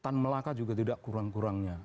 tan melaka juga tidak kurang kurangnya